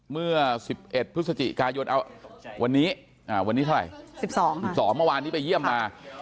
เมื่อ๑๑พฤศจิกายนวันนี้๑๒เมื่อวานไปเยี่ยมมา